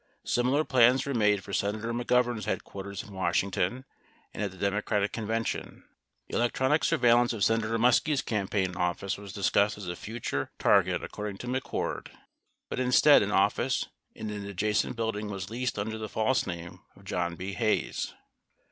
Similar plans were made for Senator McGovern's headquarters in Washington and at the Democratic Convention. 42 Electronic sur veillance of Senator Muskie's campaign office was discussed as a future target, according to McCord, but instead an office in an adjacent build ing was leased under the false name of John B. Hayes.